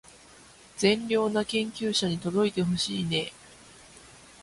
善良な研究者に届いてほしいねー